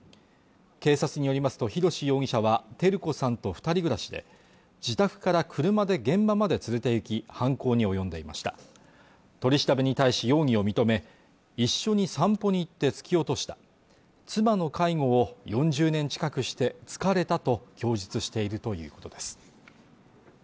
警察によりますと宏容疑者は照子さんと二人暮らしで自宅から車で現場まで連れていき犯行に及んでいました取り調べに対し容疑を認め一緒に散歩に行って突き落とした妻の介護を４０年近くして疲れたと供述しているということです